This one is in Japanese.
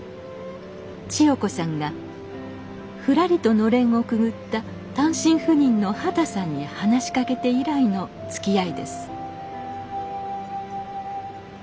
千代子さんがふらりとのれんをくぐった単身赴任の畑さんに話しかけて以来のつきあいです